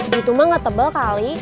gitu mah gak tebel kali